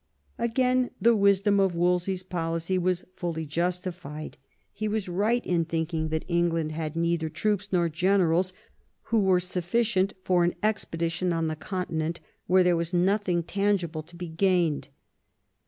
Again the wisdom of Wolsey's policy was fully justi fied. He was right in thinking that England had H 98 THOMAS WOLSEY chap. neither troops nor generals who were sufficient for an expedition on the Continent, where there was nothing tangible to be gained.